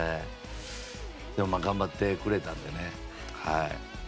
でも、頑張ってくれたのでね。